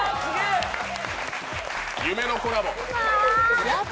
夢のコラボ！